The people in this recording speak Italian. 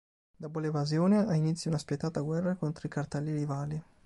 Dopo l’evasione, ha inizio una spietata guerra contro i cartelli rivali.